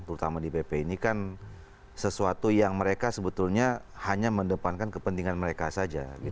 terutama di pp ini kan sesuatu yang mereka sebetulnya hanya mendepankan kepentingan mereka saja